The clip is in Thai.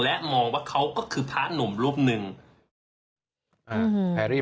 และมองว่าเขาก็คือพระหนุ่มรูปหนึ่งอ่าแพรรี่